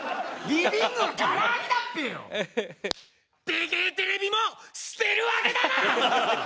でけえテレビも捨てるわけだな！